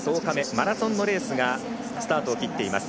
マラソンのレースがスタートを切っています。